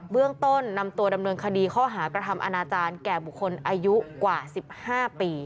เบื้องต้นนำตัวดำเนินคดีข้อหากระทำอนาจารย์แก่บุคคลอายุกว่า๑๕ปี